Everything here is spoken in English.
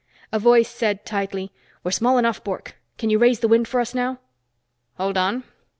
A voice said tightly: "We're small enough, Bork. Can you raise the wind for us now?" "Hold on."